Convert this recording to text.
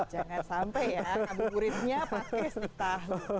jangan sampai ya abu buritnya pake setahun